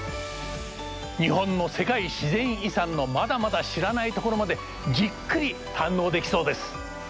日本の世界自然遺産のまだまだ知らないところまでじっくり堪能できそうです！